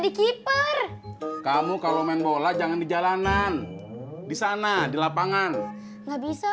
di keeper kamu kalau main bola jangan di jalanan di sana di lapangan nggak bisa